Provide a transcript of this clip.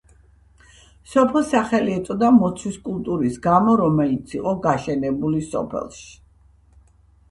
სოფელს სახელი ეწოდა მოცვის კულტურის გამო, რომელიც იყო გაშენებული სოფელში.